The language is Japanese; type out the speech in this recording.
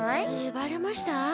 バレました？